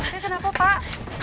api kenapa pak